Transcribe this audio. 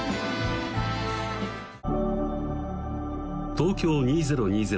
東京２０２０